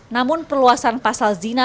namun perluasan pasal zina